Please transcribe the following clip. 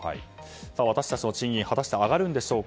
私たちの賃金果たして上がるんでしょうか。